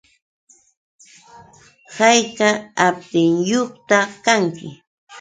¿Hayka apniyuqta kanki?